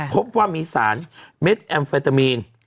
พบว่ามีสารเม็ดแอมเฟตามีน